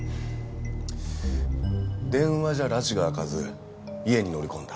電話じゃらちが明かず家に乗り込んだ？